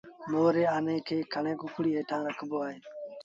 مور ري آني کي کڻي ڪڪڙيٚ هيٺآن رکبو اهي